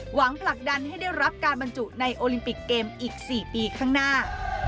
ผลักดันให้ได้รับการบรรจุในโอลิมปิกเกมอีก๔ปีข้างหน้า